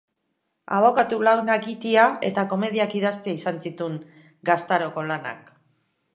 Abokatu-lanak egitea eta komediak idaztea izan zituen gaztaroko lanak.